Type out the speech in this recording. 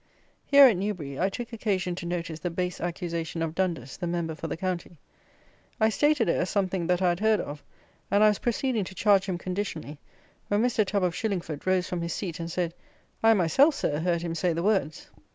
Here, at Newbury, I took occasion to notice the base accusation of Dundas, the Member for the County. I stated it as something that I had heard of, and I was proceeding to charge him conditionally, when Mr. Tubb of Shillingford rose from his seat, and said, "I myself, Sir, heard him say the words."